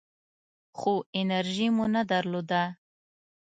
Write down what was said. خو انرژي مو نه درلوده .